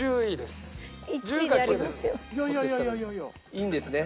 いいんですね？